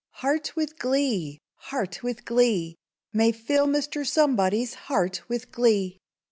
_—Heart with glee! heart with glee! May fill Mr. Somebody's heart with glee.